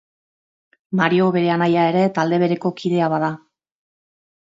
Mario bere anaia ere talde bereko kidea bada.